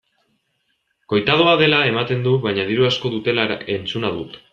Koitadua dela ematen du baina diru asko dutela entzuna dut.